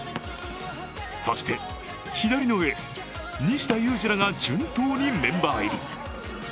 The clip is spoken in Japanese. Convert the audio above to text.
そして左のエース・西田有志らが順当にメンバー入り。